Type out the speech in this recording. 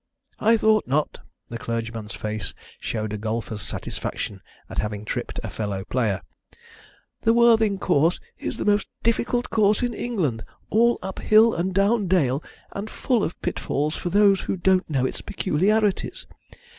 "I thought not." The clergyman's face showed a golfer's satisfaction at having tripped a fellow player. "The Worthing course is the most difficult course in England, all up hill and down dale, and full of pitfalls for those who don't know its peculiarities.